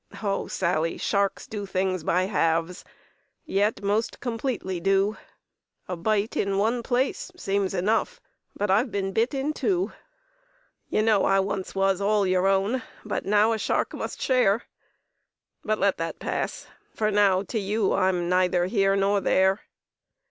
"Oh! Sally, sharks do things by halves, Yet most completely do! A bite in one place soems enough, But I've been bit in two. "You know I once was all your own, But now a shark must share! But let that pass for now, to you I'm neither here nor there."